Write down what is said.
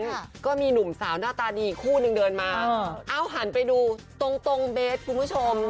ก็มีหนุ่มสาวหน้าตาดีคู่นึงเดินมาเอ้าหันไปดูตรงตรงเบสคุณผู้ชม